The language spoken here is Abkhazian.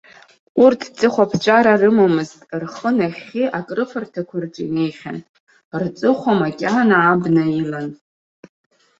Урҭ ҵыхәаԥҵәара рымамызт рхы нахьхьи акрыфарҭақәа рҿы инеихьан, рҵыхәа макьана абна илан.